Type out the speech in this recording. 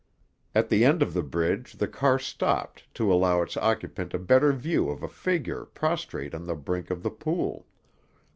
At the end of the bridge the car stopped to allow its occupant a better view of a figure prostrate on the brink of the pool.